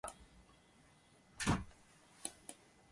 男は煙を眺めていた。僕らも煙を眺めた。黙って煙を眺めた。